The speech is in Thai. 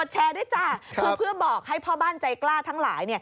แชร์ด้วยจ้ะคือเพื่อบอกให้พ่อบ้านใจกล้าทั้งหลาย